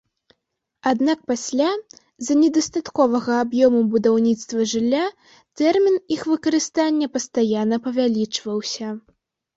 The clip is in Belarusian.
Аднак пасля, з-за недастатковага аб'ёму будаўніцтва жылля, тэрмін іх выкарыстання пастаянна павялічваўся.